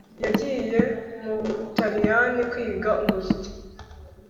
Yagiye mu Butaliyani kwiga umuziki